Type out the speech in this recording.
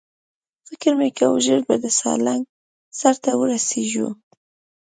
فکر مې کاوه ژر به د سالنګ سر ته ورسېږو.